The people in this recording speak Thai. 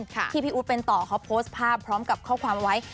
เขาโพสต์ภาพพร้อมกับข้อความไว้